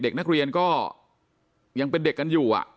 เด็กนักเรียนก็ยังเป็นเด็กกันอยู่